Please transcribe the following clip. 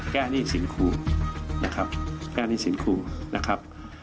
หนี้สินครูนะครับแก้หนี้สินครูนะครับ